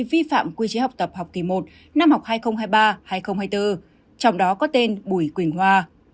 vi phạm quy chế học tập học kỳ một năm học hai nghìn hai mươi ba hai nghìn hai mươi bốn trong đó có tên bùi quỳnh hoa